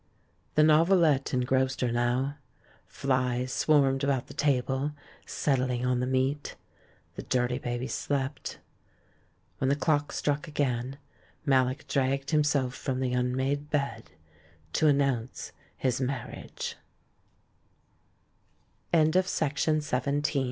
The novelette engrossed her now. Flies swarmed about the table, settling on the meat. The dirty baby slept. When the clock struck again, Mallock dragged himself from the unmade bed to announc